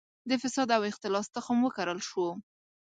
د فساد او اختلاس تخم وکرل شو.